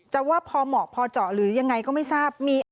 ว่าพอเหมาะพอเจาะหรือยังไงก็ไม่ทราบ